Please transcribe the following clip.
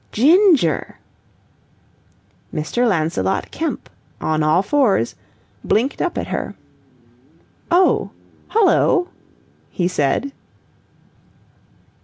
"Ginger!" Mr. Lancelot Kemp, on all fours, blinked up at her. "Oh, hullo!" he said.